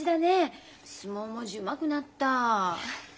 相撲文字うまくなった。